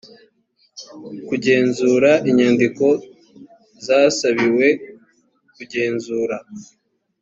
kugenzura inyandiko zasabiwe kugenzura